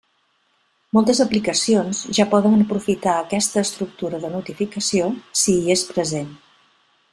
Moltes aplicacions ja poden aprofitar aquesta estructura de notificació si hi és present.